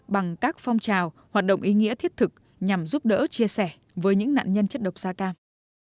bằng các phong trào hoạt động ý nghĩa thiết thực nhằm giúp đỡ chia sẻ với những nạn nhân chất độc da cam